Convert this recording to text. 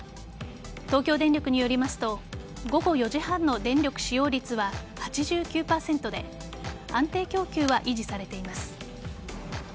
東京電力によりますと午後４時半の電力使用率は８９％で安定供給は維持されています。